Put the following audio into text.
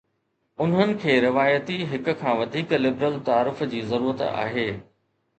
انهن کي روايتي هڪ کان وڌيڪ لبرل تعارف جي ضرورت آهي.